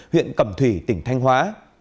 huyện cầm thủy tỉnh thanh hóa